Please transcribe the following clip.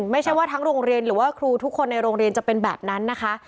ไม่ใช่ว่าทั้งโรงเรียนหรือว่าครูทุกคนในโรงเรียนจะเป็นแบบนั้นนะคะ